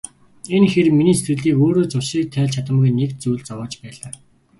Энэ хэр миний сэтгэлийг өөрөө ч учрыг тайлж чадамгүй нэг л зүйл зовоож байлаа.